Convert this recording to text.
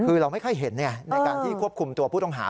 คือเราไม่ค่อยเห็นในการที่ควบคุมตัวผู้ต้องหา